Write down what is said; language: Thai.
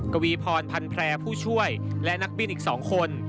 กวีพรพันแพร่ผู้ช่วยและนักบินอีก๒คน